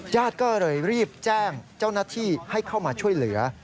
ญาติก็เลยรีบแจ้งเจ้าหน้าที่ให้เข้ามาช่วยเหลือ